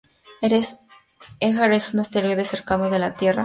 Eger es un asteroide cercano a la Tierra.